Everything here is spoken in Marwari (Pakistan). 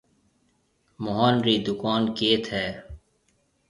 موهن رِي دُڪون ڪيٿ هيَ؟